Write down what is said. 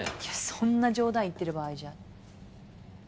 そんな冗談言ってる場合じゃ。